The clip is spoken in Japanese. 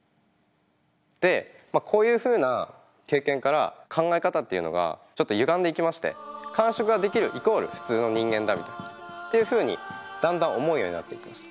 でこういうふうな経験から考え方っていうのがちょっとゆがんでいきまして完食ができるイコール普通の人間だみたいなというふうにだんだん思うようになっていきました。